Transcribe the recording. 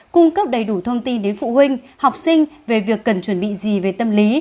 cung cấp đầy đủ thông tin đến phụ huynh học sinh về việc cần chuẩn bị gì về tâm lý